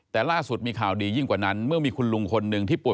แต่ล่าสุดมีข่าวดียิ่งกว่านั้นเมื่อมีคุณลุงคนหนึ่งที่ป่วย